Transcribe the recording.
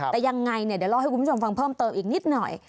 แต่ยังไงเนี่ยเดี๋ยวเล่าให้คุณผู้ชมฟังเพิ่มเติมอีกนิดหน่อย